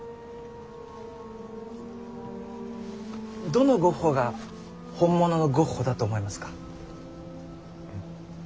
どのゴッホが本物のゴッホだと思いますか？